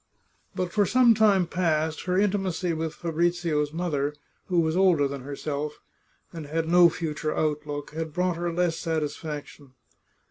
But for some time past her intimacy with Fabrizio's mother, who was older than herself, and had no future outlook, had brought her less satisfaction.